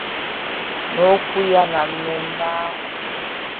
N'okwu ya na mmemme ahụ